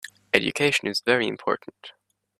Education is very important.